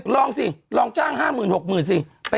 ลองสิลองจ้างห้าหมื่นหกหมื่นสิ